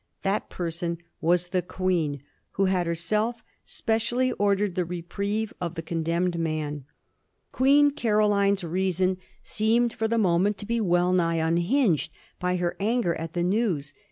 That person was the Queen, who had herself specially ordered the reprieve of the con demned man. Queen Caroline's reason seemed for the 66 A. HISTORT OF THE FOUB G£0B6£S. CH.xziy. moment to be wellnigh unhinged by her anger at the news.